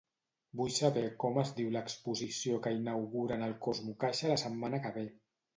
Vull saber com es diu l'exposició que inauguren al CosmoCaixa la setmana que ve.